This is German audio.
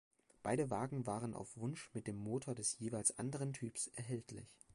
Beide Wagen waren auf Wunsch mit dem Motor des jeweils anderen Typs erhältlich.